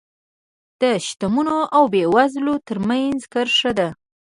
د شتمنو او بېوزلو ترمنځ کرښه ده.